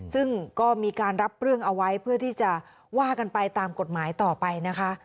ซึ่งก็มีการรับเรื่องเอาไว้เพื่อที่จะว่ากันไปตามกฎหมายต่อไปนะคะ